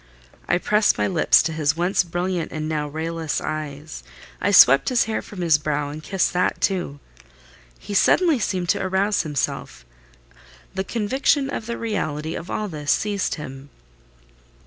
I pressed my lips to his once brilliant and now rayless eyes—I swept his hair from his brow, and kissed that too. He suddenly seemed to arouse himself: the conviction of the reality of all this seized him.